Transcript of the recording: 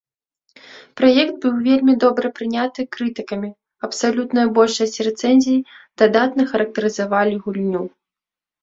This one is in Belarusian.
Праект быў вельмі добра прыняты крытыкамі, абсалютная большасць рэцэнзій дадатна характарызавалі гульню.